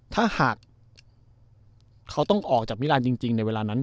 ถ้าหากเขาต้องออกจากมิรานจริงในเวลานั้น